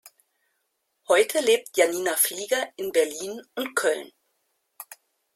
Heute lebt Janina Flieger in Berlin und Köln.